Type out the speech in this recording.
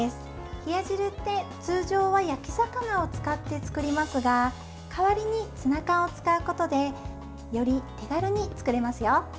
冷や汁って、通常は焼き魚を使って作りますが代わりにツナ缶を使うことでより手軽に作れますよ。